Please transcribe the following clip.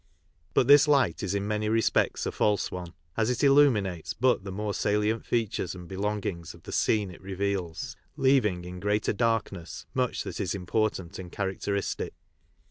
But this light is in many respects a false one, as it illuminates but the more salient features and belongings of the scene it reveals, leaving in greater darkness much that is important and characteristic.